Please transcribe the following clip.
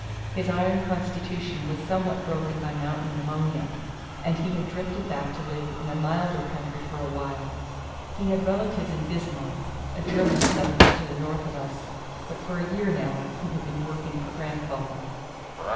His iron constitution was somewhat broken by mountain pneumonia, and he had drifted back to live in a milder country for a while. He had relatives in Bismarck, a German settlement to the north of us, but for a year now he had been working for grandfather.